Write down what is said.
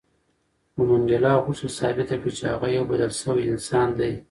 خو منډېلا غوښتل ثابته کړي چې هغه یو بدل شوی انسان دی.